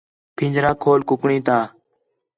پھنجرہ کھول کُکڑیں تا